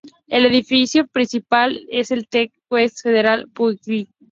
El edificio principal es el Ted Weiss Federal Building.